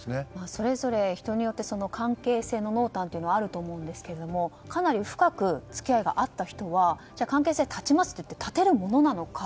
それぞれ人によって関係性の濃淡というのはあると思うんですけどかなり深く付き合いがあった人は関係性を断ちますと言って断てるものなのか。